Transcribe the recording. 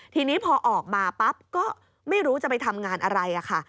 ทีนี้พอออกมาปั๊บก็ไม่รู้จะไปทำงานอะไรค่ะ